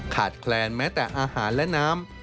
แคลนแม้แต่อาหารและน้ำ